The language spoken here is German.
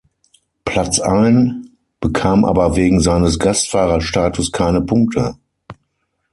Platz ein, bekam aber wegen seines Gastfahrer-Status keine Punkte.